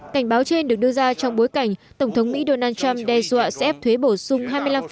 cảnh báo trên được đưa ra trong bối cảnh tổng thống mỹ donald trump đe dọa sẽ ép thuê bổ sung hai mươi năm